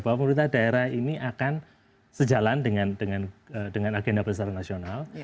bahwa pemerintah daerah ini akan sejalan dengan agenda besar nasional